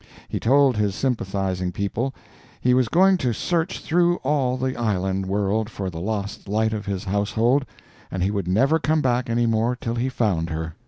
He told his sympathizing people he was going to search through all the island world for the lost light of his household and he would never come back anymore till he found her.